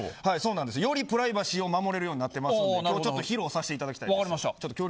よりプライバシーを守れるようになってますのでちょっと披露させていただきたいです。